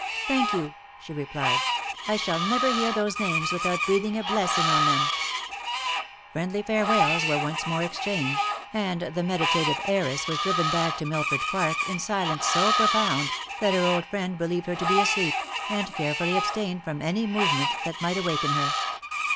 " Thank you !" she replied ; "I shall never hear those names with out breathing a blessing on them !" Friendly farewells were once more exchanged, and the meditative heiress was driven back to Millford park in silence so profound, that her old friend believed her to be asleep, and carefully abstained from any jnovement that might awaken her.